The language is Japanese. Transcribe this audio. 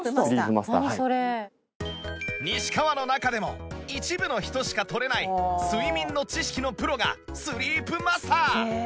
西川の中でも一部の人しか取れない睡眠の知識のプロがスリープマスター